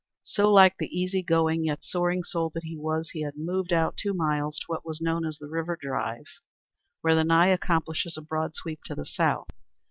So like the easy going yet soaring soul that he was, he had moved out two miles to what was known as the River Drive, where the Nye accomplishes a broad sweep to the south.